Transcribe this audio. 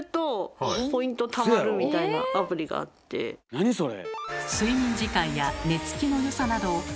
何それ！